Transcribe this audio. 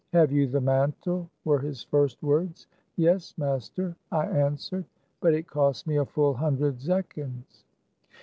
" Have you the mantle? " were his first words. " Yes, master,'' I answered, " but it cost me a full hundred zechins."